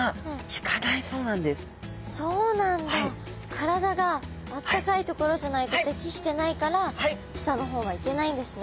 体があったかい所じゃないと適してないから下の方は行けないんですね。